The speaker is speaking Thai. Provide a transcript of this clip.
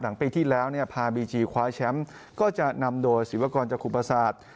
ปีที่แล้วเนี่ยพาบีจีคว้าแชมป์ก็จะนำโดยศิวากรจคุปศาสตร์